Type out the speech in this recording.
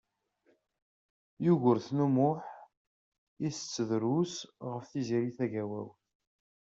Yugurten U Muḥ itett drus ɣef Tiziri Tagawawt.